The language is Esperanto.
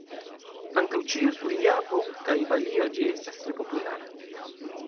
Antaŭ ĉio sur Javo kaj Balio ĝi estas tre populara.